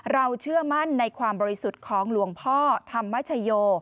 เชื่อมั่นในความบริสุทธิ์ของหลวงพ่อธรรมชโย